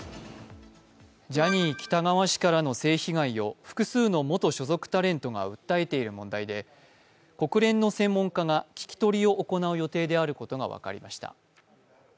ジャニー喜多川氏から性被害を複数の元所属タレントが訴えている問題で、国連の専門家が聞き取りを行う予定であることが分かりました。